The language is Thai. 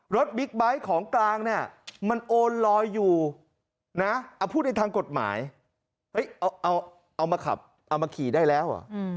บิ๊กไบท์ของกลางเนี่ยมันโอนลอยอยู่นะเอาพูดในทางกฎหมายเอามาขับเอามาขี่ได้แล้ว